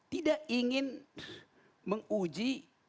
tidak ingin menguji